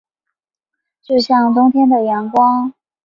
就像冬天的阳光